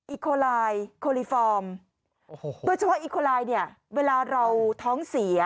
อิโคลายโคลิฟอร์มโดยเฉพาะอีโคลายเนี่ยเวลาเราท้องเสีย